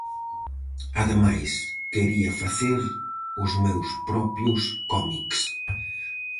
Ademais, quería facer os meus propios cómics.